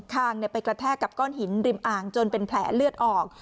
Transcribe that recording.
คางไปกระแทกกับก้อนหินริมอ่างจนเป็นแผลเลือดออก